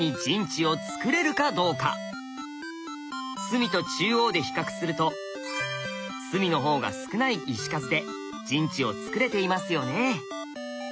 隅と中央で比較すると隅の方が少ない石数で陣地をつくれていますよね。